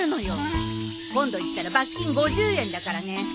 今度言ったら罰金５０円だからね。